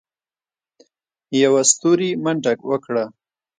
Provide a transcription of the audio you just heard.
يوه ستوري منډه وکړه.